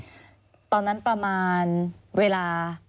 อาจจะรู้กันเวลา